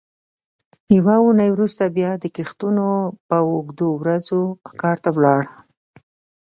یوه اوونۍ وروسته به بیا د کښتونو په اوږدو ورځو کار ته ولاړل.